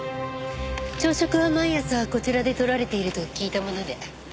朝食は毎朝こちらでとられていると聞いたもので。